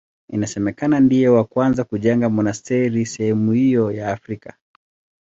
Inasemekana ndiye wa kwanza kujenga monasteri sehemu hiyo ya Afrika.